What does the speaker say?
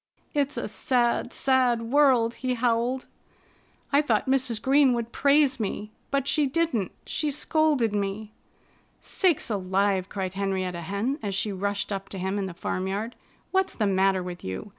"It's a sad, sad world!" he howled. "I thought Mrs. Green would praise me. But she didn't. She scolded me!" "Sakes alive!" cried Henrietta Hen as she rushed up to him in the farmyard. "What's the matter with you?